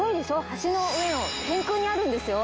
橋の上の天空にあるんですよ